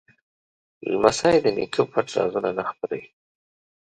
لمسی د نیکه پټ رازونه نه خپروي.